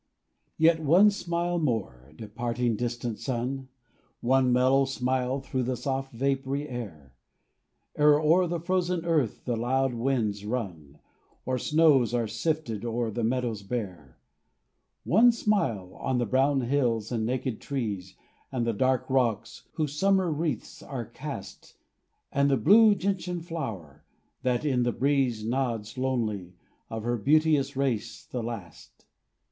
Yet one smile more, departing, distant sun, One mellow smile through the soft vapory air, Ere, o'er the frozen earth, the loud winds run, Or snows are sifted o'er the meadow bare. One smile on the brown hills and naked trees And the dark rocks whose summer wreaths are cast, And the blue Gentian flower, that, in the breeze, Nods lonely, of her beauteous race the last.